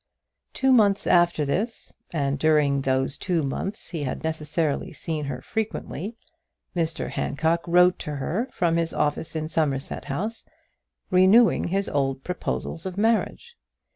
Two months after this, and during those two months he had necessarily seen her frequently, Mr Handcock wrote to her from his office in Somerset House, renewing his old proposals of marriage.